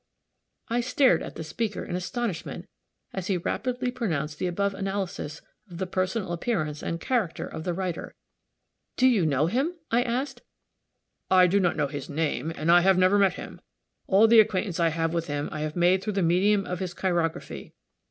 I stared at the speaker in astonishment as he rapidly pronounced the above analysis of the personal appearance and character of the writer. "Do you know him?" I asked. "I do not know his name, and I have never met him. All the acquaintance I have with him, I have made through the medium of his chirography.